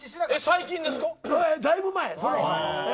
だいぶ前。